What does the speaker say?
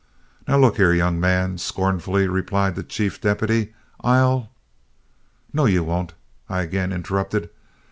"Now, look here, young man," scornfully replied the chief deputy, "I'll " "No, you won't," I again interrupted.